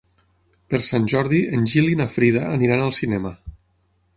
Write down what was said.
Per Sant Jordi en Gil i na Frida aniran al cinema.